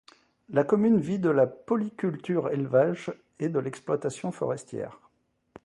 La commune vit de la polyculture-élevage et de l'exploitation forestière.